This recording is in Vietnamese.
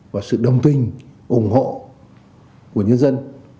và sự đồng tình ủng hộ của nhân dân